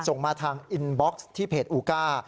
ส่งมาทางอินบ็อกซ์ที่เพจอูก้า